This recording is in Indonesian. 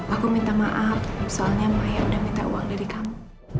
aku minta maaf misalnya maya sudah minta uang dari kamu